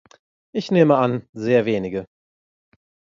Ich nehme an, sehr wenige.